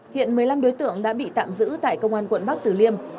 hiện một mươi năm đối tượng đã bị tạm giữ tại công an quận bắc tử liêm